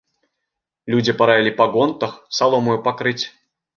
Людзі параілі па гонтах саломаю пакрыць.